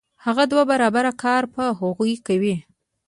هغه دوه برابره کار په هغوی کوي